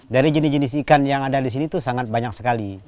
dari jenis jenis ikan yang ada di sini itu sangat banyak sekali